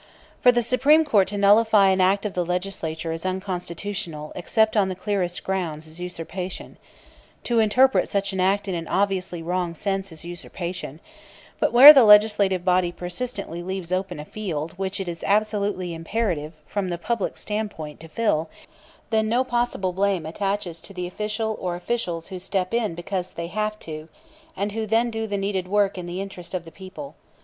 For the Supreme Court to nullify an act of the Legislature as unconstitutional except on the clearest grounds is usurpation; to interpret such an act in an obviously wrong sense is usurpation; but where the legislative body persistently leaves open a field which it is absolutely imperative, from the public standpoint, to fill, then no possible blame attaches to the official or officials who step in because they have to, and who then do the needed work in the interest of the people.